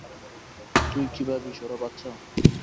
তুই কি ভাবিস, ওরা বাচ্চা?